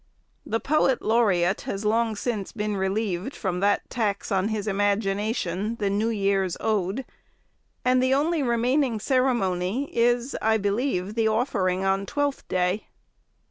The poet laureat has long since been relieved from that tax on his imagination, the New Year's Ode; and the only remaining ceremony is, I believe, the offering on Twelfth Day.